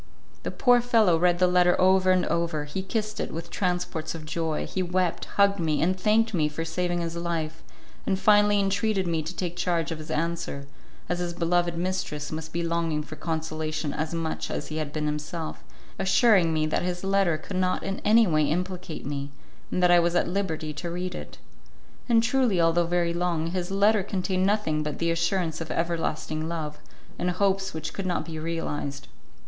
The poor fellow read the letter over and over; he kissed it with transports of joy; he wept, hugged me, and thanked me for saving his life, and finally entreated me to take charge of his answer, as his beloved mistress must be longing for consolation as much as he had been himself, assuring me that his letter could not in any way implicate me, and that I was at liberty to read it. And truly, although very long, his letter contained nothing but the assurance of everlasting love, and hopes which could not be realized.